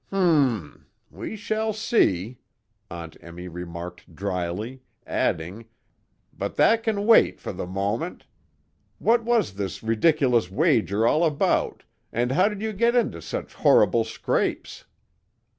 "H m. We shall see," Aunt Emmy remarked dryly, adding: "But that can wait for the moment. What was this ridiculous wager all about, and how did you get into such horrible scrapes?"